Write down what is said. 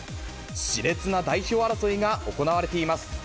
しれつな代表争いが行われています。